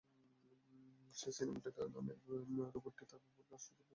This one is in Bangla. সেই সিনেমার ডেটা নামের রোবটটি তার প্রভুর হাস্যরস বোঝার চেষ্টা করে।